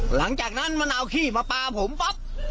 หลังจากนั้นเคอร์มั้นเอาขี้มาปานผมป๊อบ